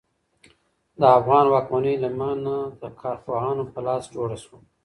د افغان واکمنۍ لمنه د کارپوهانو په لاس جوړه شوه.